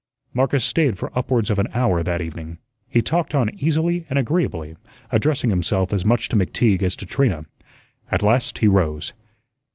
Marcus stayed for upwards of an hour that evening. He talked on easily and agreeably, addressing himself as much to McTeague as to Trina. At last he rose.